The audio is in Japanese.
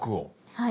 はい。